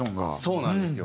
そうなんですよ。